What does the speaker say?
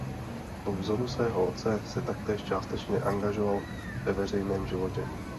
Po vzoru svého otce se taktéž částečně angažoval ve veřejném životě.